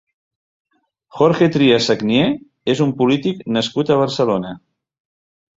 Jorge Trías Sagnier és un polític nascut a Barcelona.